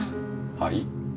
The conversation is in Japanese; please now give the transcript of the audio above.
はい？